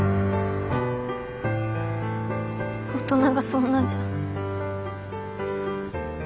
大人がそんなじゃ。